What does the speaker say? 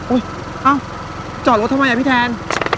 เอ้าจอดรถทำไมอ่ะพี่แทน